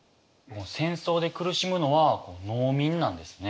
戦争で苦しむのは農民なんですね。